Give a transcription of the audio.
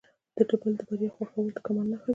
د بل د بریا خوښول د کمال نښه ده.